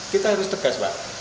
kita harus tegas pak